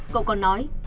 cậu còn nói